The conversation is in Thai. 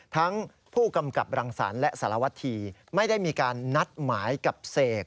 ทั้งผู้กำกับรังสรรค์และสารวัตธีไม่ได้มีการนัดหมายกับเสก